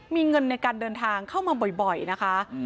มีเงินในการเดินทางเข้ามาบ่อยนะคะ